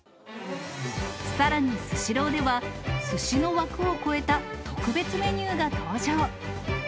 さらにスシローでは、すしの枠を超えた特別メニューが登場。